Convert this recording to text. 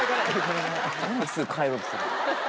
何ですぐ帰ろうとする。